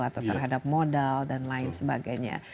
atau terhadap modal dan lain sebagainya